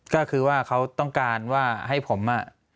ก็คือว่าเขาต้องการว่าให้ผม